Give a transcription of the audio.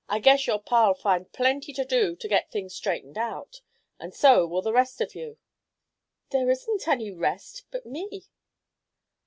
I guess your Pa'll find plenty to do to get things straightened out, and so will the rest of you." "There isn't any 'rest' but me."